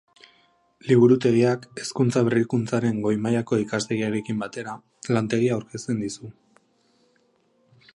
Liburutegiak, Hezkuntza Berrikuntzaren Goi Mailako Ikastegiarekin batera, lantegia aurkezten dizu.